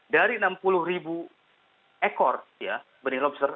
dari enam puluh ribu ekor ya beneran